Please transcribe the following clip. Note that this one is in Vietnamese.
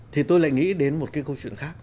thì tôi lại nghĩ đến một cái câu chuyện khác